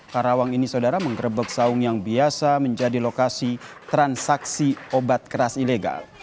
karawang ini saudara mengrebek saung yang biasa menjadi lokasi transaksi obat keras ilegal